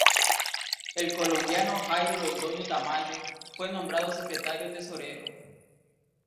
El colombiano Jairo Londoño Tamayo fue nombrado Secretario Tesorero.